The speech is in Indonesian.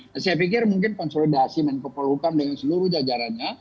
saya pikir mungkin konsolidasi mengepol hukum dengan seluruh jajarannya